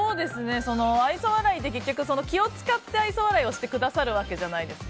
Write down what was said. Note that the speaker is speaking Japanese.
愛想笑いって結局気を使ってしてくれるわけじゃないですか。